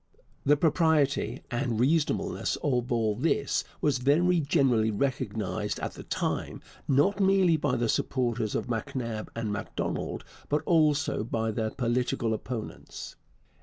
The propriety and reasonableness of all this was very generally recognized at the time, not merely by the supporters of MacNab and Macdonald, but also by their political opponents.